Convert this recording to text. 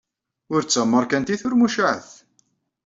Ur d tameṛkantit, ur mucaɛet.